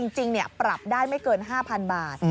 จริงปรับได้ไม่เกิน๕๐๐๐บาท